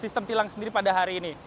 tidak akan ditilang sendiri pada hari ini